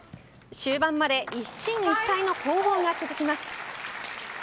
終盤まで一進一退の攻防が続きます。